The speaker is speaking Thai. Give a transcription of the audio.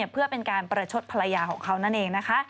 เพื่อเป็นการประชดภรรยาของเขานั่นเองนะคะ